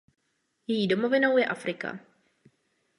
Její domovinou je Afrika.